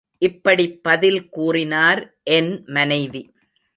இப்படிப் பதில் கூறினார் என் மனைவி.